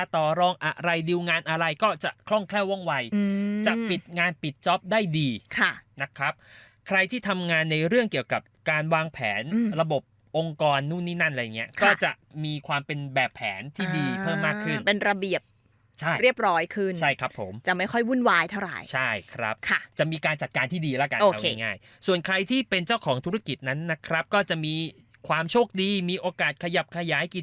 ติดจ๊อปได้ดีนะครับใครที่ทำงานในเรื่องเกี่ยวกับการวางแผนระบบองค์กรนู่นนี่นั่นอะไรอย่างเงี้ยก็จะมีความเป็นแบบแผนที่ดีเพิ่มมากขึ้นเป็นระเบียบเรียบร้อยขึ้นใช่ครับผมจะไม่ค่อยวุ่นวายเท่าไหร่ใช่ครับจะมีการจัดการที่ดีแล้วกันเอาง่ายส่วนใครที่เป็นเจ้าของธุรกิจนั้นนะครับก็จะมีความโชคดีมีโอกาสข